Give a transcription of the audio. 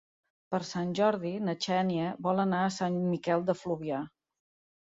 Per Sant Jordi na Xènia vol anar a Sant Miquel de Fluvià.